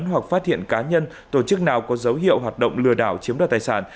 hoặc phát hiện cá nhân tổ chức nào có dấu hiệu hoạt động lừa đảo chiếm đoạt tài sản